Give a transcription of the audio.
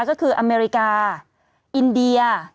ก็คืออเมริกาอินเดีย